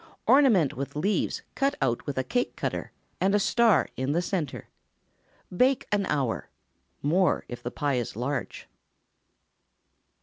Ornament with leaves cut out with a cake cutter, and a star in the centre. Bake an hour—more, if the pie is large.